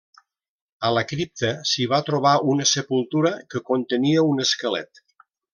A la cripta s'hi va trobar una sepultura que contenia un esquelet.